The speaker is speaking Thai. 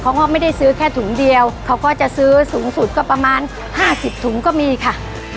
เขาก็ไม่ได้ซื้อแค่ถุงเดียวเขาก็จะซื้อสูงสุดก็ประมาณ๕๐ถุงก็มีค่ะ